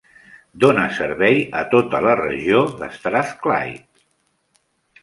Dona servei a tota la regió de Strathclyde.